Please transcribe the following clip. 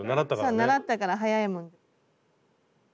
そう習ったから早いもん。